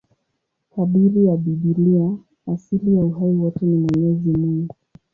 Kadiri ya Biblia, asili ya uhai wote ni Mwenyezi Mungu.